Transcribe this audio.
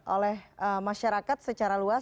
oleh masyarakat secara luas